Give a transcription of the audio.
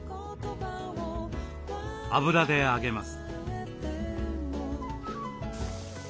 油で揚げます。